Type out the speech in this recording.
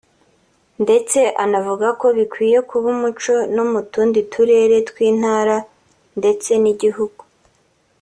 ndetse akanavuga ko bikwiye kuba umuco no mu tundi turere tw’intara ndetse n’gihugu